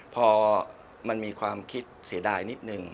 พอมันมีความคิดเสียดายนิดนึง